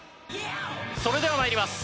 それでは参ります。